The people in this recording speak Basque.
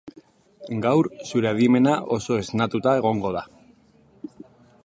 Gaur, zure adimena oso esnatuta egongo da.